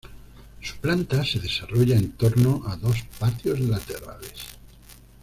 Su planta se desarrolla en torno a dos patios laterales.